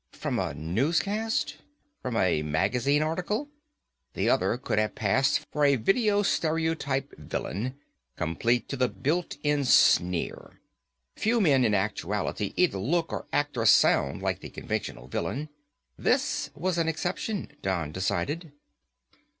From a newscast? From a magazine article? The other could have passed for a video stereotype villain, complete to the built in sneer. Few men, in actuality, either look like or sound like the conventionalized villain. This was an exception, Don decided.